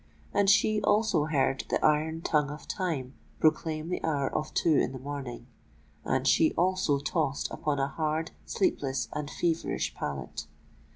And she also heard the iron tongue of Time proclaim the hour of two in the morning;—and she also tossed upon a hard, sleepless, and feverish pallet.